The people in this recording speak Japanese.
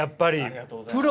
ありがとうございます。